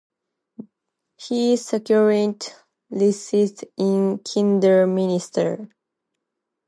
He currently resides in Kidderminster.